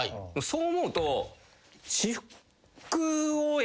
そう思うと。